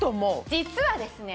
実はですね